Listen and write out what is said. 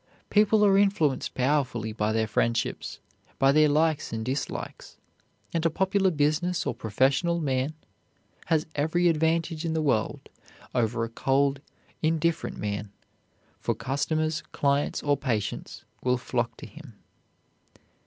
People are influenced powerfully by their friendships, by their likes and dislikes, and a popular business or professional man has every advantage in the world over a cold, indifferent man, for customers, clients, or patients will flock to him.